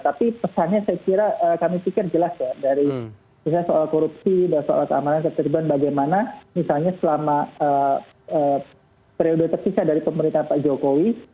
tapi pesannya saya kira kami pikir jelas ya dari misalnya soal korupsi dan soal keamanan ketertiban bagaimana misalnya selama periode terpisah dari pemerintahan pak jokowi